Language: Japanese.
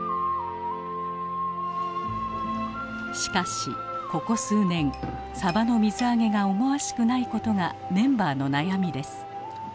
しかしここ数年さばの水揚げが思わしくないことがメンバーの悩みです。